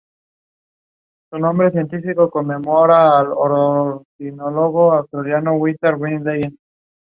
Their home ground was behind the Talbot Inn on Wells Road in Knowle.